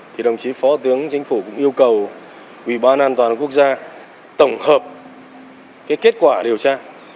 thì đồng chí phó thủ tướng chính phủ cũng yêu cầu ubnd quốc gia tổng hợp kết quả điều tra